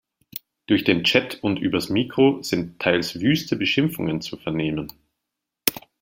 Durch den Chat und übers Mikro sind teils wüste Beschimpfungen zu vernehmen.